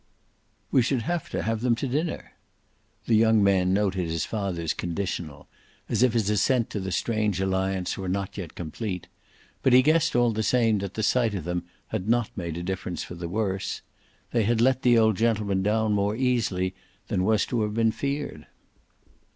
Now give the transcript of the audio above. "We should have to have them to dinner." The young man noted his father's conditional, as if his assent to the strange alliance were not yet complete; but he guessed all the same that the sight of them had not made a difference for the worse: they had let the old gentleman down more easily than was to have been feared.